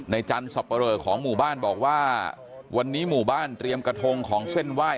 จันทร์สับปะเรอของหมู่บ้านบอกว่าวันนี้หมู่บ้านเตรียมกระทงของเส้นไหว้